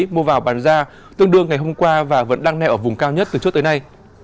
mua vào bán ra tương đương ngày hôm qua và vẫn đang neo ở vùng cao nhất từ trước tới nay